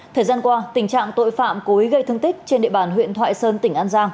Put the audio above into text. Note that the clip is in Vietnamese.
thời gian qua tình trạng tội phạm cố ý gây thương tích trên địa bàn huyện thoại sơn tỉnh an giang